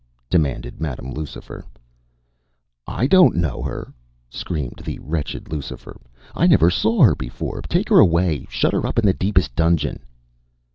” demanded Madam Lucifer. “I don’t know her,” screamed the wretched Lucifer. “I never saw her before. Take her away; shut her up in the deepest dungeon!